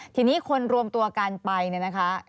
ทีนี้คนรวมตัวกันไปนะคะ